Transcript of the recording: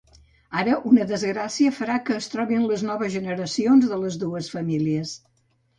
Ara, una desgràcia farà que es trobin les noves generacions de les dues famílies.